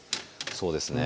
そうですね。